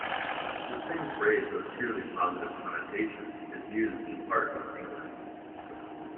The same phrase with purely positive connotations is used in part of England.